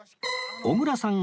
小倉さん